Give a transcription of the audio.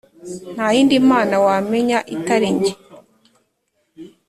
Nta yindi Mana wamenye itari jye,